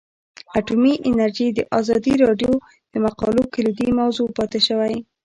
اټومي انرژي د ازادي راډیو د مقالو کلیدي موضوع پاتې شوی.